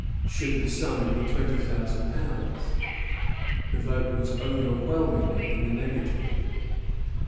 Should the sum be twenty thousand pounds? The vote was overwhelming in the negative.